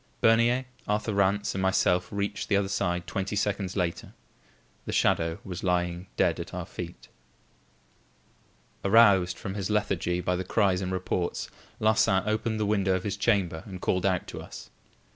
Bernier, Arthur Rance and myself reached the other side twenty seconds later. The shadow was lying dead at our feet. Aroused from his lethargy by the cries and reports, Larsan opened the window of his chamber and called out to us.